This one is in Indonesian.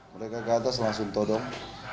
mereka ke atas langsung todong